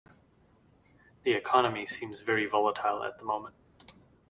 The economy seems very volatile at the moment.